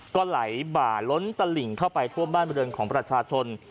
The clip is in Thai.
ก็ไหลบ่าล้นตลิ่งเข้าไปท่วมบ้านบริเวณของประชาชน